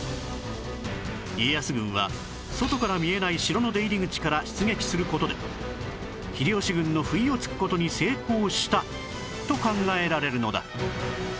家康軍は外から見えない城の出入り口から出撃する事で秀吉軍の不意を突く事に成功したと考えられるのだ